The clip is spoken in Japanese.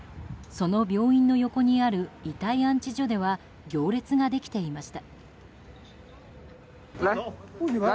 その病院の横にある遺体安置所では行列ができていました。